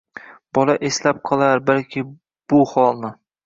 Bola eslab qolar balki bu holni.